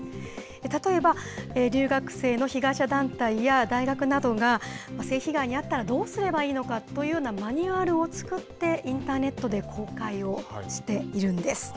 例えば、留学生の被害者団体や大学などが、性被害に遭ったらどうすればいいのかというようなマニュアルを作って、インターネットで公開をしているんです。